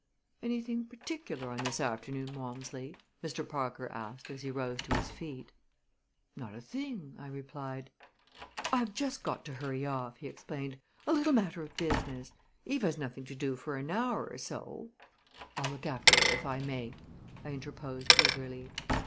"Anything particular on this afternoon, Walmsley? "Mr. Parker asked as he rose to his feet. "Not a thing," I replied. "I have just got to hurry off," he explained; "a little matter of business. Eve has nothing to do for an hour or so " "I'll look after her if I may," I interposed eagerly.